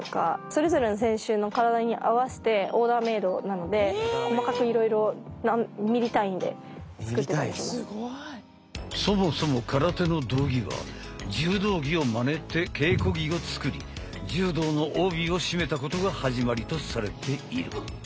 それぞれの選手の体に合わせてオーダーメードなので細かくいろいろそもそも空手の道着は柔道着をまねて稽古着を作り柔道の帯を締めたことが始まりとされている。